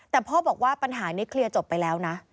แต่พ่อบอกว่าปัญหานี้เคลียร์จบไปแล้วนะ